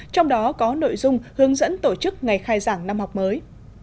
trong đó có nội dung hướng dẫn tổ chức ngày khai giảng năm học mới